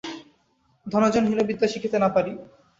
ধনজন হীন বিদ্যা শিখিতে না পারি।